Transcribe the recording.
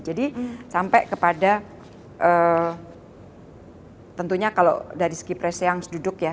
jadi sampai kepada tentunya kalau dari segi presiden yang duduk ya